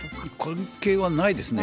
関係はないですね。